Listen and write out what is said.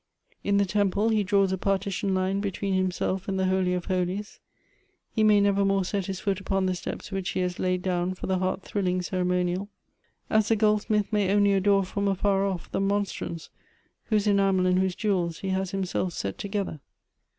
In the temple he draws a partition line between himself and the Holy of Holies ; he may never 172 Goethe's more set his foot upon the steps which he has laid down for the heart thrilling ceremonial ; as the goldsmith may only adore from afar off the monstrance whose enamel and whose jewels he has himself set together.